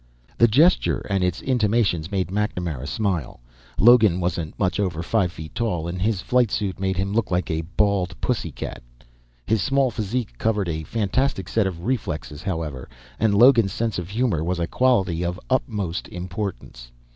The gesture and its intimations made MacNamara smile. Logan wasn't much over five feet tall, and his flight suit made him look like a bald pussycat. His small physique covered a fantastic set of reflexes, however, and Logan's sense of humor was a quality of utmost importance.